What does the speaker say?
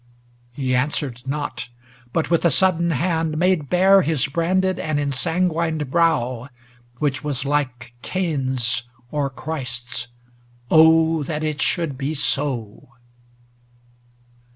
* He answered not, but with a sudden hand Made bare his branded and ensanguined brow. Which was like Cain's or Christ's ŌĆö oh ! that it should be so